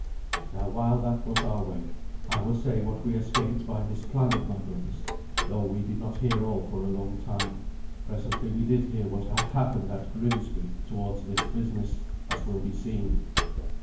Now while that was our way, I will say what we escaped by this plan of my brother's, though we did not hear all for a long time. Presently we did hear what had happened at Grimsby towards this business, as will be seen.